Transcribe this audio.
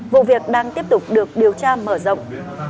vụ việc đang tiếp tục được điều tra mở rộng